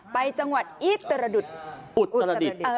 ไปจังหวัดอุตรรดิศ